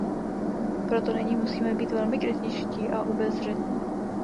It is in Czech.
Proto nyní musíme být velmi kritičtí a obezřetní.